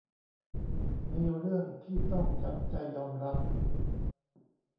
มีเรื่องที่ต้องจำใจยอมรับ